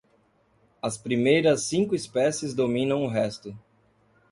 As primeiras cinco espécies dominam o resto.